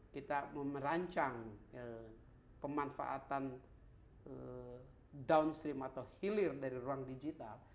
kita merancang pemanfaatan downstream atau hilir dari ruang digital